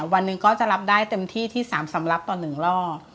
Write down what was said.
วันหนึ่งก็จะรับได้เต็มที่ที่๓สำหรับต่อ๑รอบ